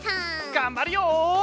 がんばるよ！